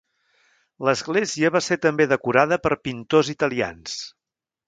L'església va ser també decorada per pintors italians.